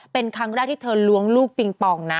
เป็นครั้งแรกที่เธอล้วงลูกปิงปองนะ